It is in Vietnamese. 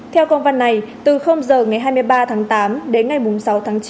theo công văn này từ giờ ngày hai mươi ba tháng tám